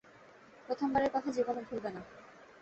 প্রথমবারের কথা জীবনে ভুলবে না।